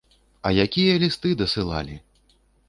А якія лісты дасылалі!